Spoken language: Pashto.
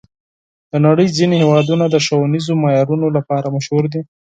د نړۍ ځینې هېوادونه د ښوونیزو معیارونو لپاره مشهور دي.